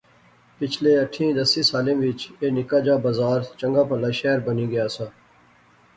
پچھلے آٹھِیں دسیں سالیں وچ ایہہ نکا جا بزار چنگا پہلا شہر بنی گیا سا